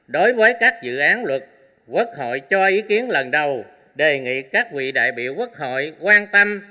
đối với các dự án luật quốc hội cho ý kiến lần đầu đề nghị các vị đại biểu quốc hội quan tâm